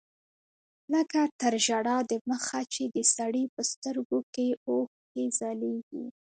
لکه تر ژړا د مخه چې د سړي په سترګو کښې اوښکې ځلېږي.